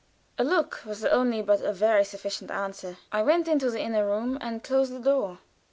_" A look was the only, but a very sufficient answer. I went into the inner room and closed the door.